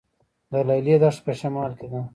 د لیلی دښته په شمال کې ده